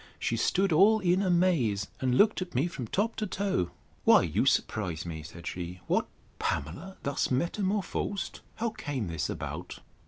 —She stood all in amaze, and looked at me from top to toe: Why, you surprise me, said she: What! Pamela thus metamorphosed! How came this about?